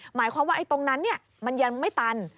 หมายความว่าตรงนั้นมันยังไม่ตัน